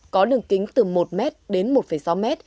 có đường kính từ một m đến một sáu m